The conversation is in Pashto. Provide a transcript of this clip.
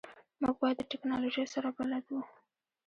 موږ باید د تکنالوژی سره بلد وو